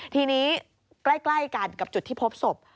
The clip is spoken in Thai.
ทีนี้ใกล้กันกับจุดที่พบศพ